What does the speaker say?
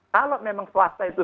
kalau memang swasta itu